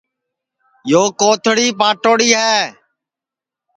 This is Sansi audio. یو کوتݪی پھاٹوڑی ہے